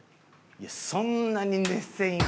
いやそんなに熱せんよ。